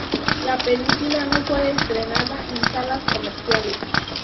La película no fue estrenada en salas comerciales.